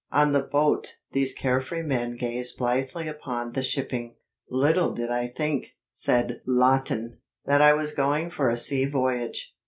On the boat these carefree men gazed blithely upon the shipping. "Little did I think," said Lawton, "that I was going for a sea voyage."